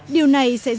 điều này là một lý do